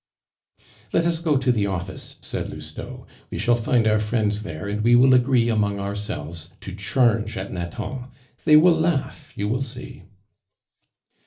"Let us go to the office," said Lousteau; "we shall find our friends there, and we will agree among ourselves to charge at Nathan; they will laugh, you will see."